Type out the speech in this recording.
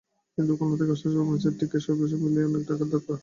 কিন্তু খুলনা থেকে আসা-যাওয়া, ম্যাচের টিকিট এসব মিলিয়ে অনেক টাকার ধাক্কা।